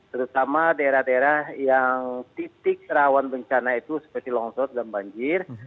terutama daerah daerah yang titik rawan bencana itu seperti longsor dan banjir